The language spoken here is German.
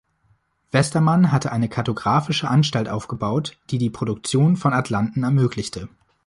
Westermann hatte eine kartographische Anstalt aufgebaut, die die Produktion von Atlanten ermöglichte.